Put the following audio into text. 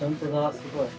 すごい。